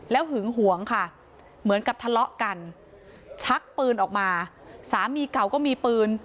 หึงหวงค่ะเหมือนกับทะเลาะกันชักปืนออกมาสามีเก่าก็มีปืน